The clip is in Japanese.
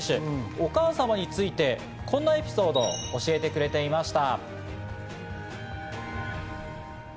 お母様についてこんなエピソードを教えてくれていました。